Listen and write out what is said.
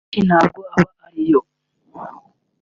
akenshi ntabwo aba ari yo